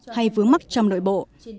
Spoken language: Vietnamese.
hay vướng mắc trong nội bộ